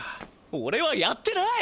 おれはやってない！